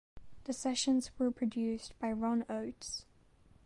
The sessions were produced by Ron Oates.